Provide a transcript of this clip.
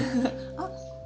あっ！